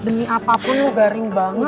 deni apapun tuh garing banget